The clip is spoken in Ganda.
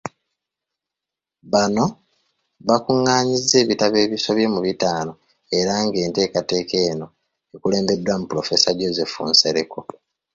Bano bakung'anyizza ebitabo ebisobye mu bitaano era ng'enteekateeka eno ekulembeddwamu Pulofeesa Joseph Nsereko.